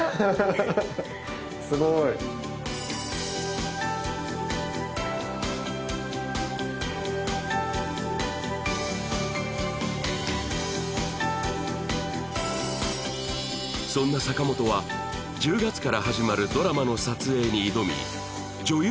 すごいそんな坂本は１０月から始まるドラマの撮影に挑み女優